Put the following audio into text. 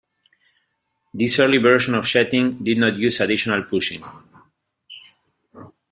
This early version of jetting did not use additional pushing.